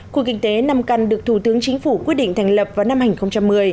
khu kinh tế năm căn được thủ tướng chính phủ quyết định thành lập vào năm hai nghìn một mươi